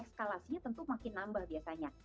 eskalasinya tentu makin nambah biasanya